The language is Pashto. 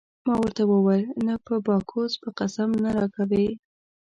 ما ورته وویل: نه په باکوس به قسم نه راکوې.